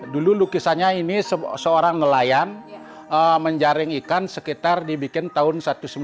dulu lukisannya ini seorang nelayan menjaring ikan sekitar dibikin tahun seribu sembilan ratus sembilan puluh